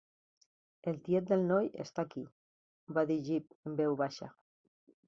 "El tiet del noi està aquí", va dir Jip en veu baixa.